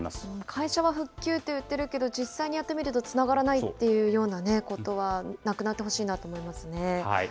会社は復旧と言っているけれども、実際にやってみるとつながらないっていうようなことはなくなってほしいなと思いますね。